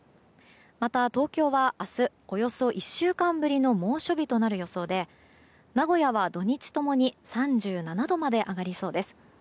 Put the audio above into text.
また、東京は明日およそ１週間ぶりの猛暑日となる予想で名古屋は土日共に３７度まで上がりそうです。